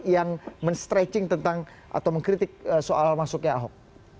yang men stretching tentang atau mengkritik soal masuknya ahok